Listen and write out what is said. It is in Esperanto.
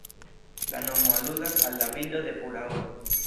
La nomo aludas al la bildo de "pura oro".